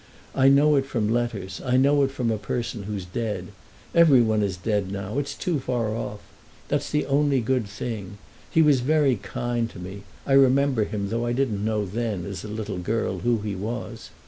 I know it from letters, I know it from a person who's dead. Everyone is dead now—it's too far off. That's the only good thing. He was very kind to me; I remember him, though I didn't know then, as a little girl, who he was.